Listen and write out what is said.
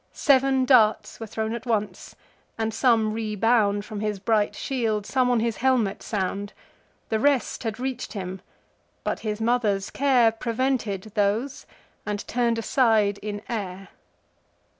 Sev'n darts were thrown at once; and some rebound From his bright shield, some on his helmet sound: The rest had reach'd him; but his mother's care Prevented those, and turn'd aside in air.